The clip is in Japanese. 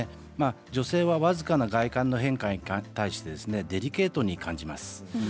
女性は僅かな外観の変化に対してデリケートに感じます。